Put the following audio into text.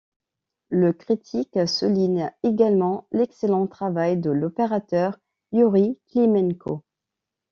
Le critique souligne également l'excellent travail de l'opérateur Yuri Klimenko.